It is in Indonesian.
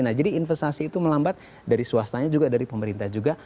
nah jadi investasi itu melambat dari swastanya juga dari pemerintah juga